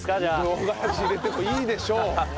唐辛子入れてもいいでしょう。